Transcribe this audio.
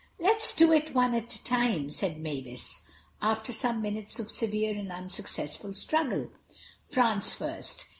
"Let's do it, one at a time," said Mavis, after some minutes of severe and unsuccessful struggle. "France first.